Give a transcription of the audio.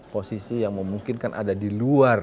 posisi yang memungkinkan ada di luar